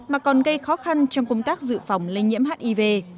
mà còn gây khó khăn trong công tác dự phòng lây nhiễm hiv